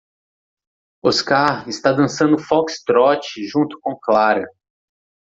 Oscar está dançando foxtrot junto com Clara.